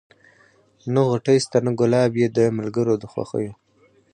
نه غوټۍ سته نه ګلاب یې دی ملګری د خوښیو